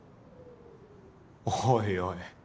おいおい。